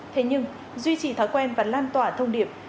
thế nhưng duy trì thói quen và lan tỏa thông điệp